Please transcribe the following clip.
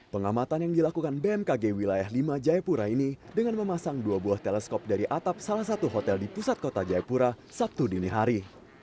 pengamatan yang dilakukan bmkg wilayah lima jayapura ini dengan memasang dua buah teleskop dari atap salah satu hotel di pusat kota jayapura sabtu dini hari